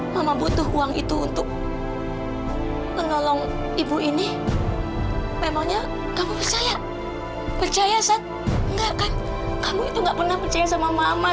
sampai jumpa di video selanjutnya